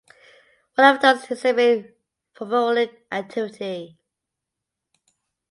One of the domes exhibit fumarolic activity.